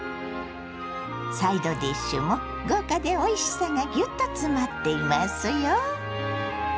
サイドディッシュも豪華でおいしさがギュッと詰まっていますよ。